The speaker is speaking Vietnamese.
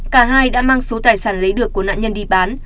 cả hai đã mang số tài sản lấy được của nạn nhân đi bán